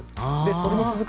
それに続く